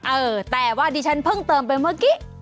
เออแต่ว่าดิฉันเพิ่งเติมไปเมื่อกี้